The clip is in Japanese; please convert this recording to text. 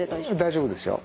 大丈夫ですよ。